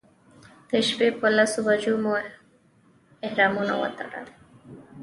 د شپې په لسو بجو مو احرامونه وتړل.